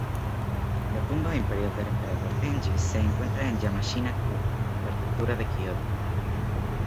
La tumba imperial del Emperador Tenji se encuentra en Yamashina-ku, prefectura de Kioto.